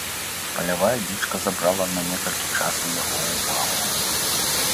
Палявая дзічка забрала на некалькі часу яго ўвагу.